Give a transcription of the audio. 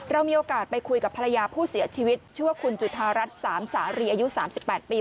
เรามีโอกาสไปคุยกับภรรยาผู้เสียชีวิตชื่อว่าคุณจุธารัฐสามสารีอายุ๓๘ปี